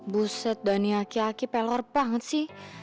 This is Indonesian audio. buset dhaniaki aki pelor banget sih